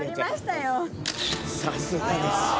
さすがです。